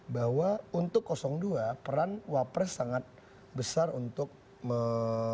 bahwa untuk dua peran wapres sangat besar untuk menentukan